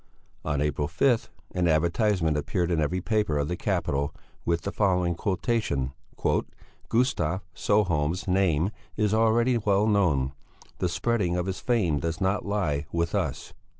On April 5 an advertisement appeared in every paper of the capital with the following quotation: "Gustav Sjöholm's name is already well known; the spreading of his fame does not lie with us.